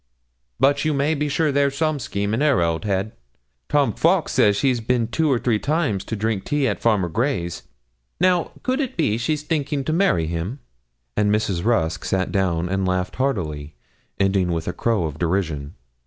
But you may be sure there's some scheme in her old head. Tom Fowkes says she's bin two or three times to drink tea at Farmer Gray's now, could it be she's thinking to marry him?' And Mrs. Rusk sat down and laughed heartily, ending with a crow of derision.